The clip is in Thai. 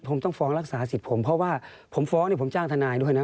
ผมต้องฟ้องรักษาสิทธิ์ผมเพราะว่าผมฟ้องเนี่ยผมจ้างทนายด้วยนะ